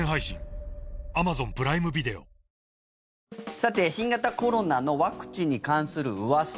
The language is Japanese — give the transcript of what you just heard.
さて、新型コロナのワクチンに関するうわさ。